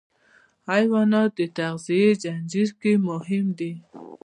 حیوانات د تغذیې زنجیر کې مهم دي.